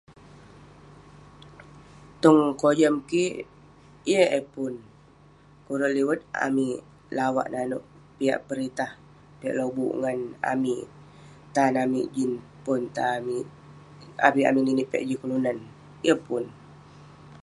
Tong kojam kik, yeng eh pun..kurek liwet amik lavak nanouk piak peritah, piak lobuk ngan amik..tan amik jin pon..avik amik ninik piak jin kelunan..yeng pun..